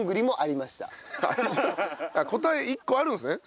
答え１個あるんですね